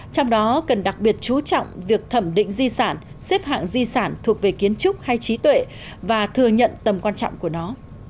trong đó cần đặc biệt chú trọng việc thẩm định di sản xếp hạng di sản thuộc về kiến trúc hay trí tuệ và thừa nhận tầm quan trọng của nó